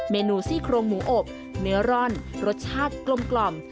เมนูซี่โครงหมูอบเนื้อร่อนรสชาติกลม